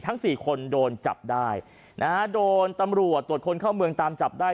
สี่คนโดนจับได้นะฮะโดนตำรวจตรวจคนเข้าเมืองตามจับได้